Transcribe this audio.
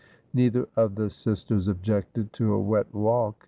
Neither of the sisters objected to a wet walk.